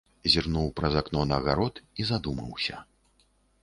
Зірнуў праз акно на гарод і задумаўся.